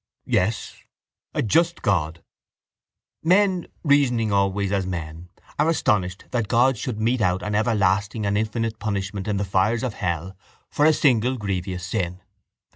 —Yes, a just God! Men, reasoning always as men, are astonished that God should mete out an everlasting and infinite punishment in the fires of hell for a single grievous sin.